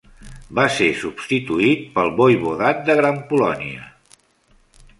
Va ser substituït pel voivodat de Gran Polònia.